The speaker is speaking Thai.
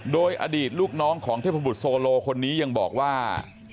โดยอดีตลูกน้องของเทพบุตรโซโลคนนี้ยังบอกว่า